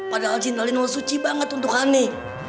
padahal jendela lino suci banget untuk hani